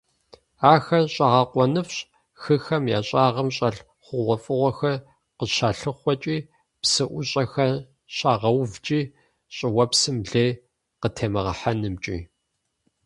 Ахэр щIэгъэкъуэныфIщ хыхэм я щIагъым щIэлъ хъугъуэфIыгъуэхэр къыщалъыхъуэкIи, псы IущIэхэр щагъэувкIи, щIыуэпсым лей къытемыгъэхьэнымкIи.